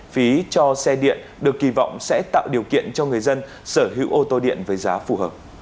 phí cho xe điện được kỳ vọng sẽ tạo điều kiện cho người dân sở hữu ô tô điện với giá phù hợp